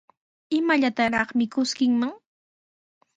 ¿Imallataraq mikuskiiman?